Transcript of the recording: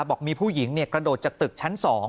บอกมีผู้หญิงกระโดดจากตึกชั้น๒